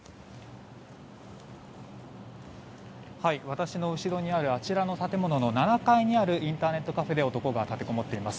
私の後ろにあるあちらの建物の７階にあるインターネットカフェで男が立てこもっています。